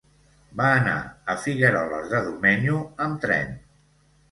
Va anar a Figueroles de Domenyo amb tren.